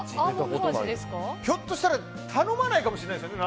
ひょっとしたら頼まないかもしれないですね